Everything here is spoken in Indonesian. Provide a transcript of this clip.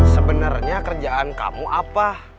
sebenernya kerjaan kamu apa